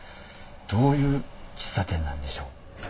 どういう喫茶店なんでしょう。